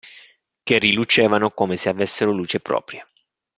Che rilucevano come se avessero luce propria.